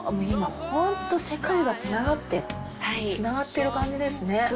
今ホント世界がつながってつながってる感じですね。